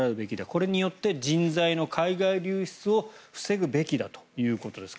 これによって人材の海外流出を防ぐべきだということです。